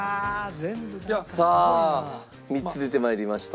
さあ３つ出て参りました。